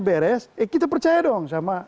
beres kita percaya dong sama